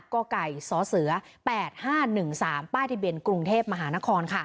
กไก่สเส๘๕๑๓ป้ายทะเบียนกรุงเทพมหานคร